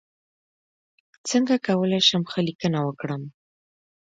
څنګه کولی شم ښه لیکنه وکړم